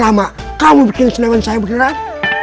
lama lama kamu bikin senyuman saya bergerak